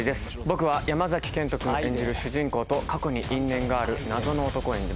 僕は山賢人くん演じる主人公と過去に因縁がある謎の男を演じます